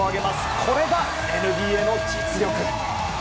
これがＮＢＡの実力！